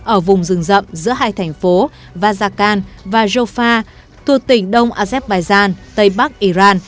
ở vùng rừng rậm giữa hai thành phố vajakan và jofa thuộc tỉnh đông azerbaijan tây bắc iran